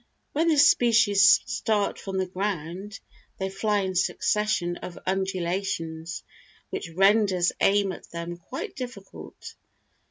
When this species start from the ground they fly in succession of undulations, which renders aim at them quite difficult.